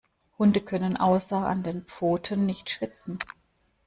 Hunde können außer an den Pfoten nicht schwitzen.